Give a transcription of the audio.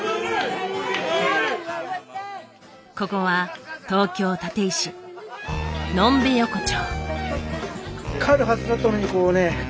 ここは東京・立石呑んべ横丁。